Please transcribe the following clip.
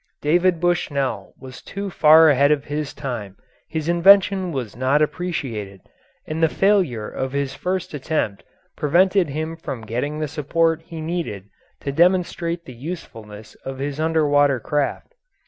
David Bushnell was too far ahead of his time, his invention was not appreciated, and the failure of his first attempt prevented him from getting the support he needed to demonstrate the usefulness of his under water craft.